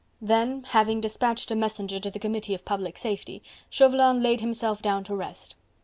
Then, having despatched a messenger to the Committee of Public Safety, Chauvelin laid himself down to rest.